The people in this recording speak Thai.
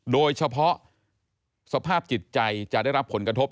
โดยเฉพาะสภาพจิตใจจะได้รับผลกระทบ